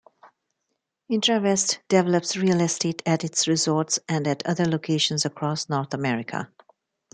Intrawest develops real estate at its resorts and at other locations across North America.